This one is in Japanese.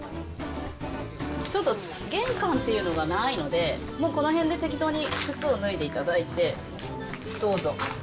ちょっと玄関っていうのがないので、もうこのへんで適当に靴を脱いでいただいて、どうぞ。